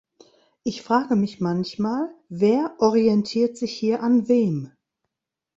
Ich frage mich manchmal, wer orientiert sich hier an wem?